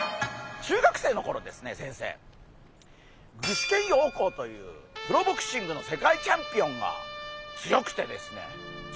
具志堅用高というプロボクシングの世界チャンピオンが強くてですね。